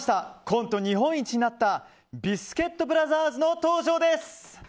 コント日本一になったビスケットブラザーズの登場です！